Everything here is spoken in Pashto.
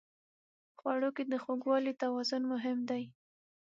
په خوړو کې د خوږوالي توازن مهم دی.